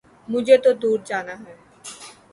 مجھے تو دور جانا ہے